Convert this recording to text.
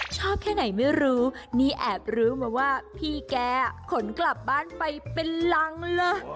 ชอบแค่ไหนไม่รู้นี่แอบรู้มาว่าพี่แกขนกลับบ้านไปเป็นรังเลย